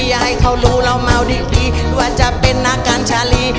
อย่าให้เขารู้เราเมาดีว่าจะเป็นนักการชาลี